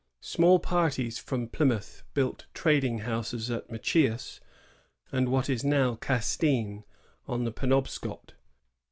Small parties from Plymouth built trading houses at Machias and at what is now Castine, on the Penobscot.